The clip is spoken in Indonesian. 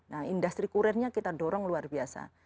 nah industri kurirnya kita dorong luar biasa